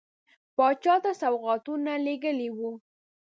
پاچا ته سوغاتونه لېږلي وه.